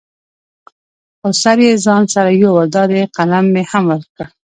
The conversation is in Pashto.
خو سر یې ځان سره یوړ، دا دی قلم مې هم درکړ.